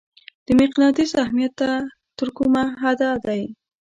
د مقناطیس اهمیت تر کومه حده دی؟